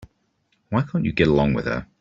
Why can't you get along with her?